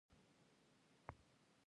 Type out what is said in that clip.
د جوزجان په یتیم تاغ کې ګاز شته.